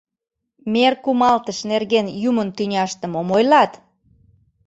Мер кумалтыш нерген юмын тӱняште мом ойлат?